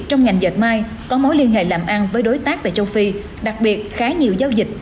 trong ngành dệt may có mối liên hệ làm ăn với đối tác tại châu phi đặc biệt khá nhiều giao dịch